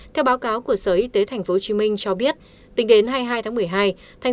theo báo cáo của sở y tế tp hcm cho biết tính đến hai mươi hai tháng một mươi hai